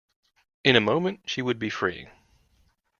In a moment she would be free.